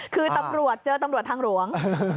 คือตำรวจเจอตำรวจทางหลวง